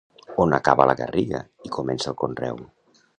On acaba la garriga i comença el conreu.